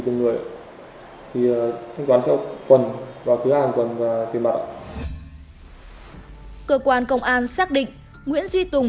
từng người thì đoán cho quần vào thứ hai quần và tiền bạc cơ quan công an xác định nguyễn duy tùng